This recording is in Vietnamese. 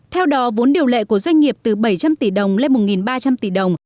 theo đó vốn điều lệ của doanh nghiệp từ bảy trăm linh tỷ đồng lên một ba trăm linh tỷ đồng